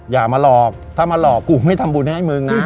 อย่ามาหลอกถ้ามาหลอกกูไม่ทำบุญให้มึงนะ